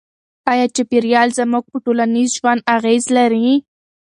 آیا چاپیریال زموږ په ټولنیز ژوند اغېز لري؟